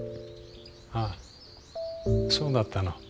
あそうだったの。